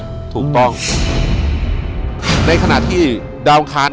อยู่ที่แม่ศรีวิรัยิลครับ